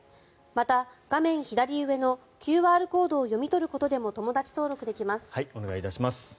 また画面左上のＱＲコードを読み取ることでもお願いいたします。